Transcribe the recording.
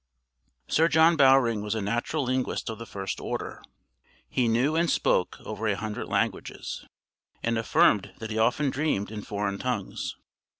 Sir John Bowring was a natural linguist of the first order. He knew and spoke over a hundred languages, and affirmed that he often dreamed in foreign tongues.